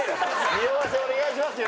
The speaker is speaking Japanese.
匂わせお願いしますよ。